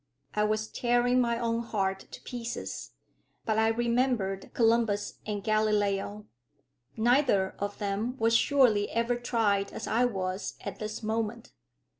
I was tearing my own heart to pieces; but I remembered Columbus and Galileo. Neither of them was surely ever tried as I was at this moment.